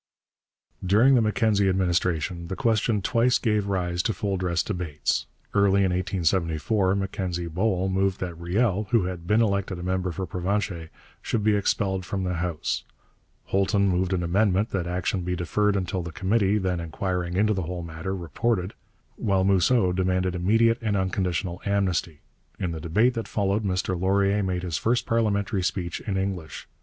During the Mackenzie administration the question twice gave rise to full dress debates. Early in 1874 Mackenzie Bowell moved that Riel, who had been elected a member for Provencher, should be expelled from the House; Holton moved an amendment that action be deferred until the committee, then inquiring into the whole matter, reported; while Mousseau demanded immediate and unconditional amnesty. In the debate that followed Mr Laurier made his first parliamentary speech in English.